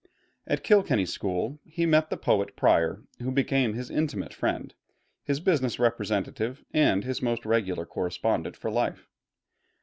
At Kilkenny School he met the poet Prior, who became his intimate friend, his business representative, and his most regular correspondent for life.